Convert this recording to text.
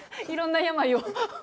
いろんな病を。